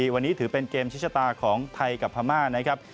วันนี้ถือเป็นเกมชิดชะตาของไทยกับพม่านะครับ